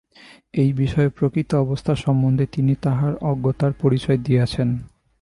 এই বিষয়ে প্রকৃত অবস্থা সম্বন্ধে তিনি তাঁহার অজ্ঞতার পরিচয় দিয়াছেন।